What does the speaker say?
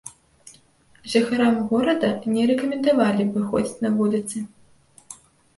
Жыхарам горада не рэкамендавалі выходзіць на вуліцы.